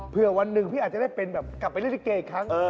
เพื่อวันหนึ่งพี่อาจจะได้เป็นแบบกลับไปเล่นลิเกย์อีกครั้ง